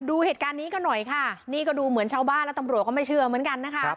ดูเหตุการณ์นี้กันหน่อยค่ะนี่ก็ดูเหมือนชาวบ้านและตำรวจก็ไม่เชื่อเหมือนกันนะคะ